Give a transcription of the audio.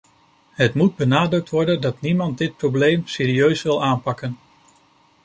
Het moet benadrukt worden dat niemand dit probleem serieus wil aanpakken.